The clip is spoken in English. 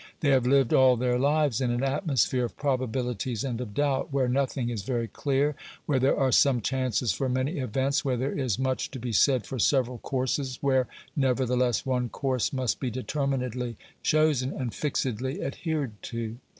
They have lived all their lives in an atmosphere of probabilities and of doubt, where nothing is very clear, where there are some chances for many events, where there is much to be said for several courses, where nevertheless one course must be determinedly chosen and fixedly adhered to.